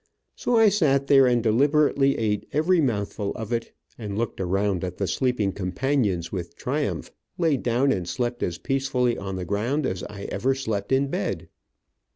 So I sat there and deliberately eat every mouthful of it, and looked around at the sleeping companions with triumph, laid down and slept as peacefully on the ground as I ever slept in bed.